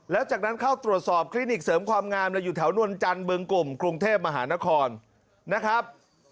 แล้วจากนั้นเข้าตรวจสอบคลินิกเสริมความงามเลยอยู่แถวนวลจันทร์บึงกลุ่มกรุงเทพมหานครนะครับ